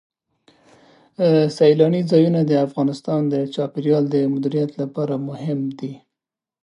سیلانی ځایونه د افغانستان د چاپیریال د مدیریت لپاره مهم دي.